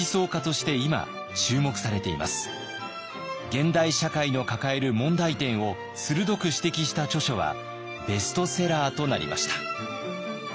現代社会の抱える問題点を鋭く指摘した著書はベストセラーとなりました。